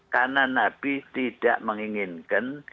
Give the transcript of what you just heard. karena nabi tidak menginginkan